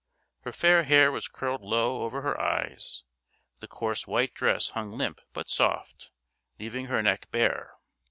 Her fair hair was curled low over her eyes, the coarse white dress hung limp but soft, leaving her neck bare.